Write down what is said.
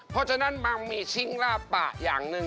เพราะฉะนั้นบางมีชิงล่าปะอย่างหนึ่ง